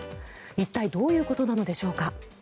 一体どういうことなのでしょうか。